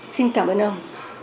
xin cảm ơn ông